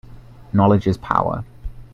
Knowledge is power.